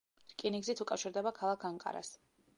რკინიგზით უკავშირდება ქალაქ ანკარას.